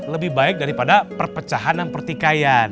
lebih baik daripada perpecahan dan pertikaian